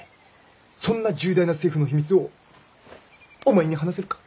そんな重大な政府の秘密をお前に話せるか？